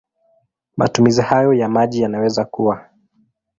Matumizi hayo ya maji yanaweza kuwa